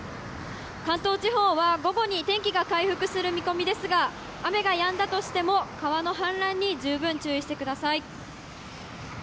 関東地方は午後に天気が回復する見込みですが、雨がやんだとしても、川の氾濫に十分注意してください。